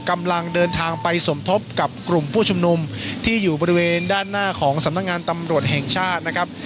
กำลังเดินทางไปสมทบกับกลุ่มผู้ชุมนุมที่อยู่บริเวณด้านหน้าของสำนักงานตำรวจแห่งชาตินะครับ